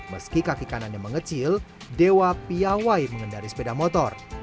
meski kaki kanannya mengecil dewa piawai mengendari sepeda motor